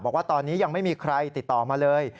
บอกว่าตอนนี้ยังไม่มีใครติดต่อมาเลย